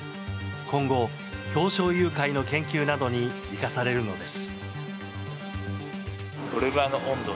今後、氷床融解の研究などに生かされるのです。